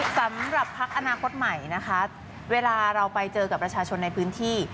สำหรับพักอนาคตใหม่นะคะเวลาเราไปเจอกับประชาชนในพื้นที่